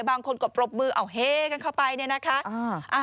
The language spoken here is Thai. บางคนก็ปรบมือเอาเฮกันเข้าไปเนี่ยนะคะ